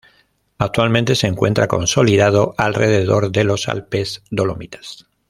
Actualmente se encuentra consolidado alrededor de los Alpes Dolomitas.